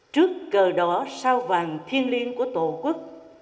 trước cờ đỏ sao vàng thiên liêng của tổ quốc